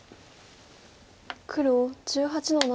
黒１８の七。